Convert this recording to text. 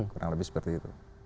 kurang lebih seperti itu